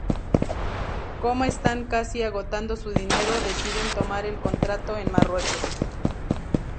Como están casi agotando su dinero, deciden tomar el contrato en Marruecos.